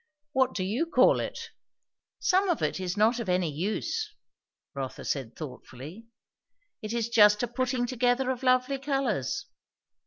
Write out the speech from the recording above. What do you call it?" "Some of it is not of any use," Rotha said thoughtfully; "it is just a putting together of lovely colours.